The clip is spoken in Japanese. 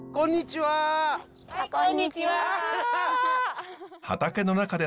はい。